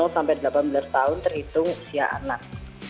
sepuluh sampai delapan belas tahun terhitung usia anak